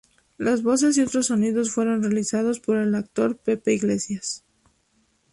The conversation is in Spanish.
Las voces y otros sonidos fueron realizados por el actor Pepe Iglesias.